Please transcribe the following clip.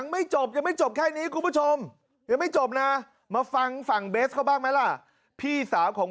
ไม่จบยังไม่จบแค่นี้คุณผู้ชมยังไม่จบนะมาฟังฝั่งเบสเขาบ้างไหมล่ะพี่สาวของ